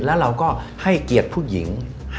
แล้วเราก็ให้เกียรติผู้หญิง